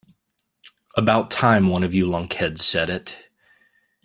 About time one of you lunkheads said it.